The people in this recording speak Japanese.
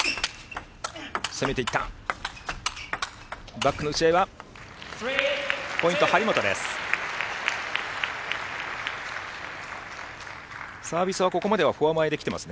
バックの打ち合いはポイント、張本です。